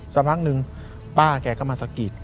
สักพัสตร์นึงป้าแกก็มาสกิด